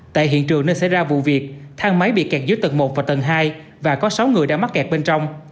tại hiện trường nơi xảy ra vụ việc thang máy bị kẹt dưới tầng một và tầng hai và có sáu người đã mắc kẹt bên trong